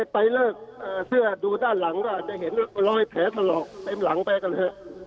ไปเลิกเสื้อดูด้านหลังก็จะเห็นรอยแผลถลอกเต็มหลังไปกันเถอะ